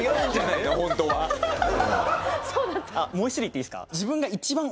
もう１種類いっていいですか？